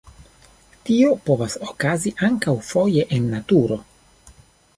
Tio povas okazi ankaŭ foje en naturo.